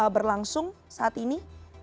berlangsung saat ini